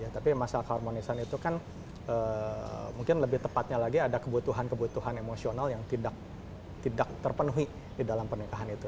tapi masalah keharmonisan itu kan mungkin lebih tepatnya lagi ada kebutuhan kebutuhan emosional yang tidak terpenuhi di dalam pernikahan itu